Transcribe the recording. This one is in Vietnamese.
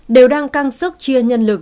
đều đang căng sức chia nhân lực